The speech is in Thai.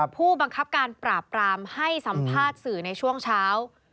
ผู้บังคับการปราบปรามให้สัมภาษณ์สื่อในช่วงเช้า